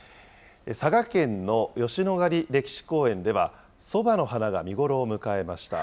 佐賀県の吉野ヶ里歴史公園では、ソバの花が見頃を迎えました。